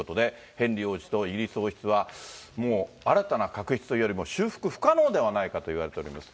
ヘンリー王子とイギリス王室は、もう新たな確執というよりも、修復不可能ではないかといわれております。